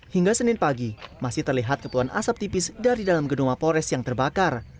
hingga senin pagi masih terlihat kepulan asap tipis dari dalam gedung mapolres yang terbakar